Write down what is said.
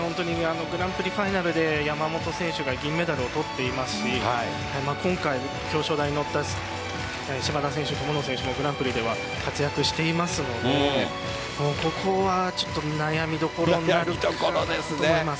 グランプリファイナルで山本選手が銀メダルを取っていますし今回、表彰台に乗った島田選手、友野選手もグランプリでは活躍していますのでここは悩みどころになると思いますね。